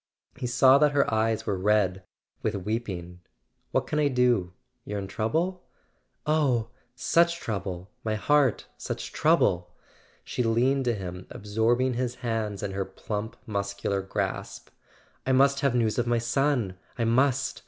He saw that her eyes were red with weeping. "What can I do? You're in trouble?" "Oh, such trouble, my heart—such trouble!" She leaned to him, absorbing his hands in her plump mus¬ cular grasp. "I must have news of my son; I must!